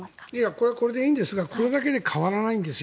これはこれでいいんですがこれだけでは変わらないんです。